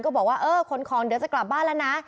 บอกว่าเออขนของเดี๋ยวจะกลับบ้านแล้วนะ